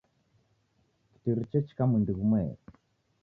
Kitiri chechika mwindi ghumweri.